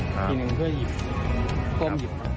ครับทีหนึ่งเพื่อยิบโค้งหยิบ